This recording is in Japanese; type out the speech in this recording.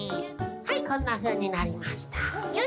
はいこんなふうになりました。